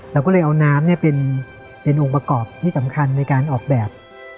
เราก็เลยเอาน้ำเป็นองค์ประกอบที่สำคัญในการออกแบบ